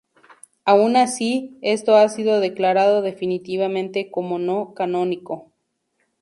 Aun así, esto ha sido declarado definitivamente como no canónico.